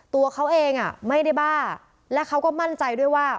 ตัวเขาเองไม่ได้บ้าและเขาก็มั่นใจด้วยว่า